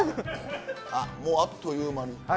もうあっという間に。